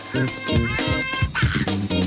เวลา